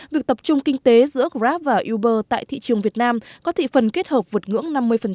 việc tập trung kinh tế giữa grab và uber tại thị trường việt nam có thị phần kết hợp vượt ngưỡng năm mươi